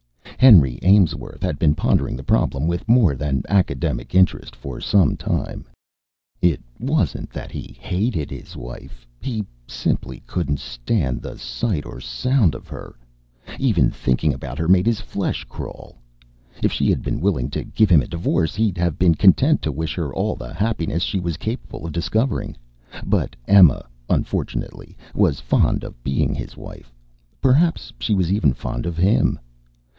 Henry Aimsworth had been pondering the problem with more than academic interest for some time. It wasn't that he hated his wife. He simply couldn't stand the sight or sound of her; even thinking about her made his flesh crawl. If she had been willing to give him a divorce, he'd have been content to wish her all the happiness she was capable of discovering. But Emma, unfortunately, was fond of being his wife; perhaps she was even fond of him.